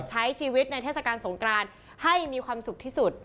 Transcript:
ใช้ชีวิตในเทศกาลสงกรานให้มีความสุขที่สุด